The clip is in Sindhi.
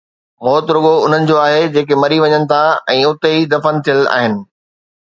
موت رڳو انهن جو آهي، جيڪي مري وڃن ٿا ۽ اتي ئي دفن ٿيل آهن